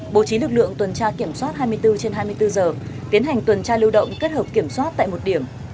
bố trí lực lượng tuần tra kiểm soát hai mươi bốn trên hai mươi bốn giờ tiến hành tuần tra lưu động kết hợp kiểm soát tại một điểm